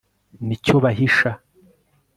nicyo bahisha